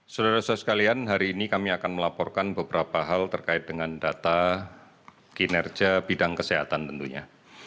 saudara saudara sekalian hari ini kami akan melaporkan beberapa hal terkait dengan data kinerja bidang kesehatan tentunya